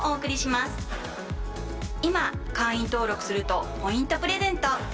今会員登録するとポイントプレゼント！